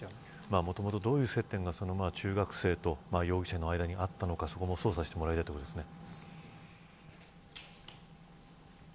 もともとどういう接点が中学生と容疑者の間にあったのかそこも捜査してもらいたいですね。